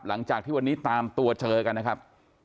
หลังจากที่วันนี้ตามตัวเจอกันนะครับ